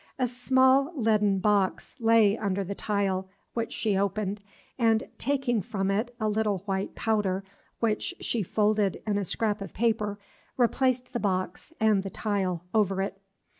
A small leaden box lay under the tile, which she opened, and, taking from it a little white powder, which she folded in a scrap of paper, replaced the box and the tile over it.